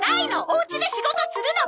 おうちで仕事するの！